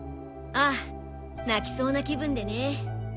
ああ泣きそうな気分でね。